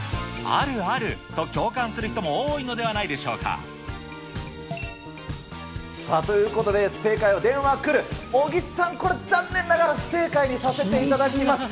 あるある！と共感する人も多いのではないでしょうか。ということで、正解は電話来る、尾木さん、これ、残念ながら不正解にさせていただきます。